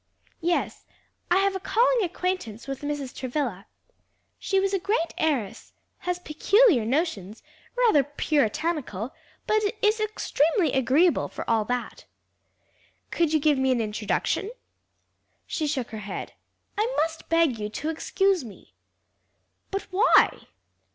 "Yes; I have a calling acquaintance with Mrs. Travilla. She was a great heiress; has peculiar notions, rather puritanical; but is extremely agreeable for all that." "Could you give me an introduction?" She shook her head. "I must beg you to excuse me." "But why?"